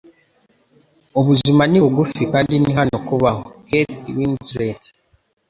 Ubuzima ni bugufi, kandi ni hano kubaho.” —Kate Winslet